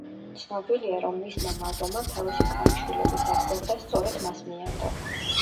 ცნობილია, რომ მისმა მაზლმა თავისი ქალიშვილების აღზრდა სწორედ მას მიანდო.